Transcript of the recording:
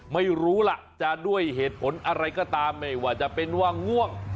ไม่รู้ล่ะจะด้วยเหตุผลอะไรก็ตามไม่ว่าจะเป็นว่าง่วง